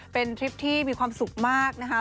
เป็นทริปที่มีความสุขมากนะคะ